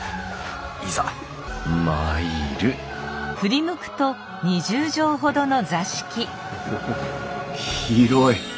いざ参るおお広い！